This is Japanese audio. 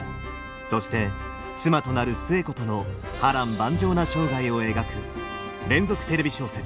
そして妻となる寿恵子との波乱万丈な生涯を描く連続テレビ小説